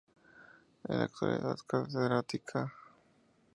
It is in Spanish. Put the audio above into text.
En la actualidad es catedrática.